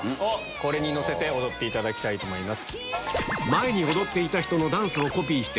これに乗せて踊っていただきたいと思います。